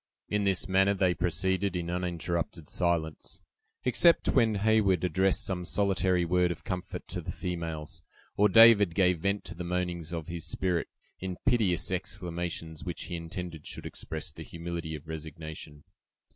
In this manner they proceeded in uninterrupted silence, except when Heyward addressed some solitary word of comfort to the females, or David gave vent to the moanings of his spirit, in piteous exclamations, which he intended should express the humility of resignation.